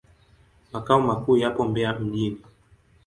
Makao makuu yapo Mbeya mjini.